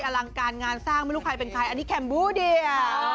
อลังการงานสร้างไม่รู้ใครเป็นใครอันนี้แคมบูเดียว